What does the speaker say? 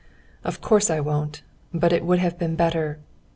"Of course I won't, but it would have been better...."